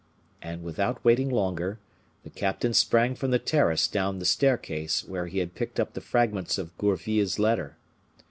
And without waiting longer, the captain sprang from the terrace down the staircase, where he had picked up the fragments of Gourville's letter.